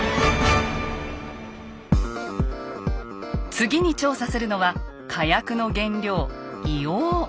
次に調査するのは火薬の原料硫黄。